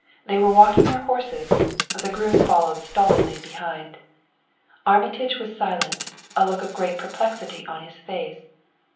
They were walking their horses; the groom followed stolidly behind. Armitage was silent, a look of great perplexity on his face.